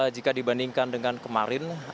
jika dibandingkan dengan kemarin